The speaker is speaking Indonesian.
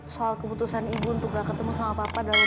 soal keputusan ibu untuk gak ketemu sama papa dalam beberapa waktu ini